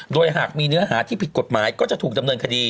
โดยหากมีเนื้อหาที่ผิดกฎหมายก็จะถูกดำเนินคดี